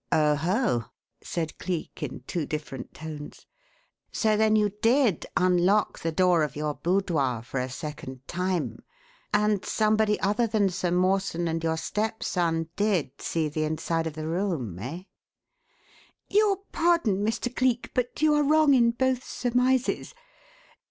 "Oho!" said Cleek, in two different tones. "So then you did unlock the door of your boudoir for a second time, and somebody other than Sir Mawson and your stepson did see the inside of the room, eh?" "Your pardon, Mr. Cleek, but you are wrong in both surmises.